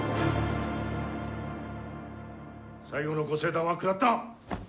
最後のご聖断は下った。